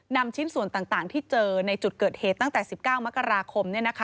ชิ้นส่วนต่างที่เจอในจุดเกิดเหตุตั้งแต่๑๙มกราคม